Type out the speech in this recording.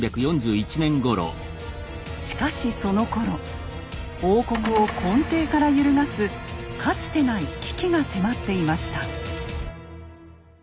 しかしそのころ王国を根底から揺るがすかつてない危機が迫っていました。